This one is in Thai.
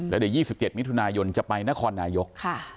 แล้วเดี๋ยว๒๗มิถุนายนจะไปนครนายก